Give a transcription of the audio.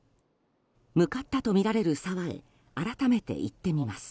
向かったとみられる沢へ改めて行ってみます。